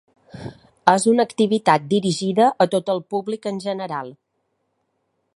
És una activitat dirigida a tot el públic en general.